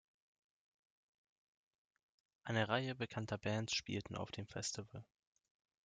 Eine Reihe bekannter Bands spielten auf dem Festival.